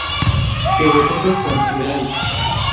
¿que vosotras partierais?